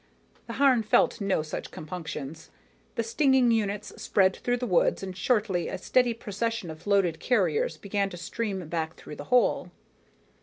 The Harn felt no such compunctions. The stinging units spread through the woods, and shortly a steady procession of loaded carriers began to stream back through the hole.